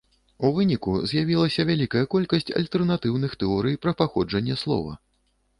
У выніку з'явілася вялікая колькасць альтэрнатыўных тэорый пра паходжанне слова.